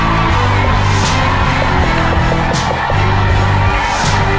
กิโลกรัมแหล่งแค่๔นาที